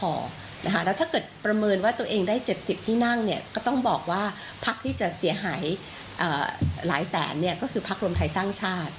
แล้วถ้าเกิดประเมินว่าตัวเองได้๗๐ที่นั่งเนี่ยก็ต้องบอกว่าพักที่จะเสียหายหลายแสนก็คือพักรวมไทยสร้างชาติ